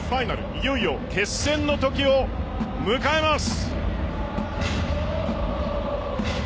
いよいよ決戦の時を迎えます。